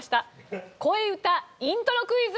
恋うたイントロクイズ！